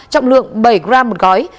trọng lượng bảy gram một gói